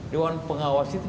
dewan pengawas itu